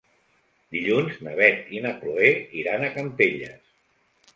Dilluns na Beth i na Chloé iran a Campelles.